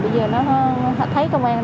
bây giờ nó thấy công an